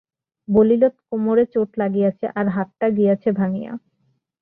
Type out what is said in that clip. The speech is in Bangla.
বলিল, কোমরে চোট লাগিয়াছে আর হাতটা গিয়াছে ভাঙিয়া।